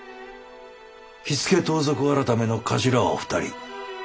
火付盗賊改の長官は２人。